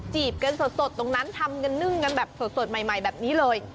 กันสดตรงนั้นทำกันนึ่งกันแบบสดใหม่แบบนี้เลย